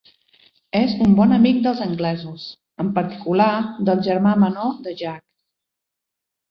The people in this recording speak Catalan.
És un bon amic dels anglesos, en particular del germà menor de Jack.